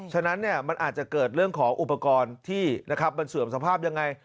ฉะนั้นมันอาจจะเกิดเรื่องของอุปกรณ์ที่มันเสื่อมสภาพยังไง